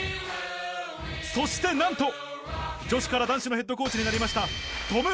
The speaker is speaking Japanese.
そしてなんと女子から男子のヘッドコーチになりました